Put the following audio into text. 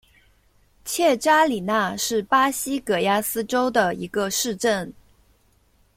切扎里娜是巴西戈亚斯州的一个市镇。